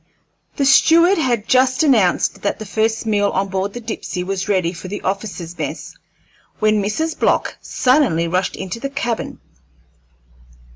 The steward had just announced that the first meal on board the Dipsey was ready for the officers' mess, when Mrs. Block suddenly rushed into the cabin.